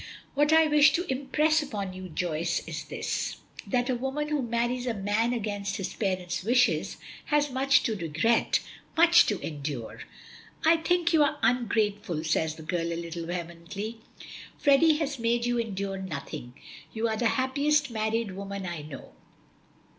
What I wish to impress upon you, Joyce, is this, that a woman who marries a man against his parents' wishes has much to regret, much to endure." "I think you are ungrateful," says the girl a little vehemently. "Freddy has made you endure nothing. You are the happiest married woman I know."